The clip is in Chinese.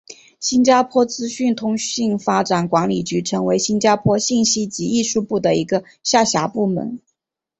新加坡资讯通信发展管理局成为新加坡信息及艺术部的一个下辖部门。